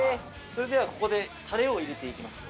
それではここでたれを入れていきます。